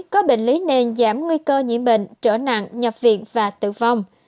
có bệnh lý nền giảm nguy cơ nhiễm bệnh trở nặng nhập viện và tử vong